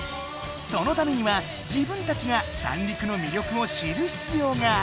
そのためには自分たちが三陸の魅力を知るひつようがある！